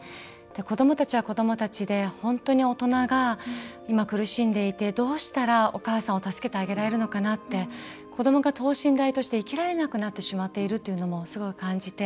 子どもたちは子どもたちで本当に大人が今苦しんでいてどうしたらお母さんを助けてあげられるのかなって子どもが等身大として生きられなくなってしまっているというのもすごく感じて。